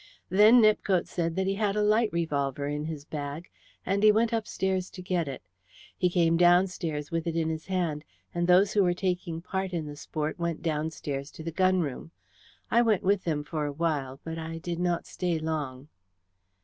Then Nepcote said that he had a light revolver in his bag, and he went upstairs to get it. He came downstairs with it in his hand, and those who were taking part in the sport went downstairs to the gun room. I went with them for a while, but I did not stay long."